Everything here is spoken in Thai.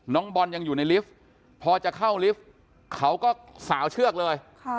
น้องบอลยังอยู่ในลิฟต์พอจะเข้าลิฟต์เขาก็สาวเชือกเลย